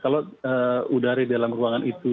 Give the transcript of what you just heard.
kalau udara dalam ruangan itu saja